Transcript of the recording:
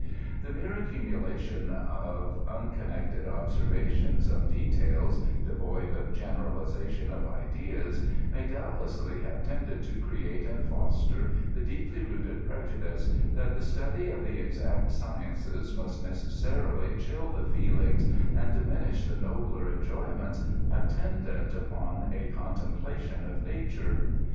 The mere accumulation of uneosgeiected observations of de tails, devoid of generalizatkHi of ideas, may donbtlessly have tended to create aad foster the deeply rooted pirejudiee, that the study of the exact sciences must necessarily <^11 the feel ings, and diminish the nol^r enjoyments attendant upon a contemplation of natofe.